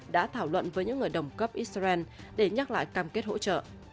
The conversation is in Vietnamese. đã thảo luận với những người đồng cấp israel để nhắc lại cam kết hỗ trợ